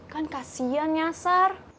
kan kasian ya sar